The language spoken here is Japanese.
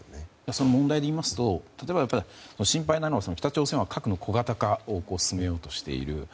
その問題でいいますと心配なのは、北朝鮮は核の小型化を進めようとしている。